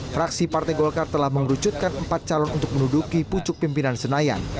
fraksi partai golkar telah mengerucutkan empat calon untuk menuduki pucuk pimpinan senayan